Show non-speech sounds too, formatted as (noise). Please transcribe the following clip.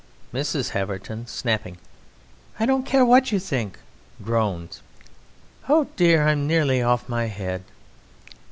MRS. HAVERTON (snapping): I don't care what you think! (groans) Oh, dear! I'm nearly off my head!